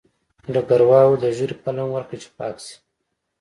ډګروال وویل د ږیرې پل هم ورکړه چې پاک شي